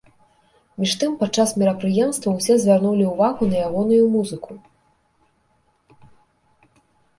Між тым падчас мерапрыемства ўсе звярнулі ўвагу на ягоную музыку.